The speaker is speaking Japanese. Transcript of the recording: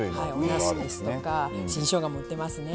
おなすですとか新しょうがも売ってますね。